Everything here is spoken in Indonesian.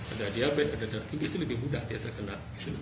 ada diabetes ada darah tubuh itu lebih mudah dia terkena